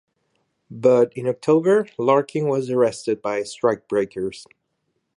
But in October, Larkin was arrested by strikebreakers.